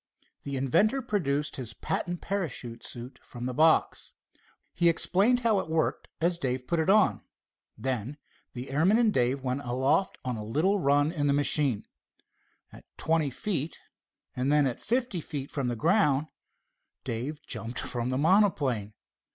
The inventor produced his patent parachute suit from the box. He explained how it worked as Dave put it on. Then the airman and Dave went aloft on a little run in the machine. At twenty feet, and then at fifty feet from the ground Dave jumped from the monoplane.